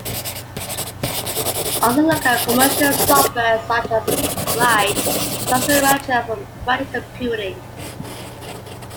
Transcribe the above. Also look at commercial software such as Bright Cluster Manager from Bright Computing.